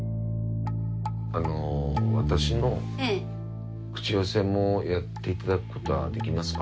あの私の口寄せもやっていただくことはできますか？